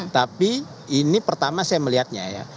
tapi ini pertama saya melihatnya ya